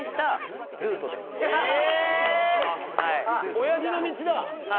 おやじの道です。